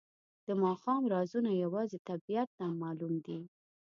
د ماښام رازونه یوازې طبیعت ته معلوم دي.